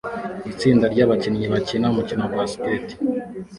itsinda ryabakinnyi bakina umukino wa basket